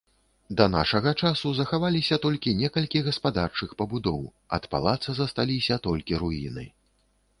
Да нашага часу захаваліся толькі некалькі гаспадарчых пабудоў, ад палаца засталіся толькі руіны.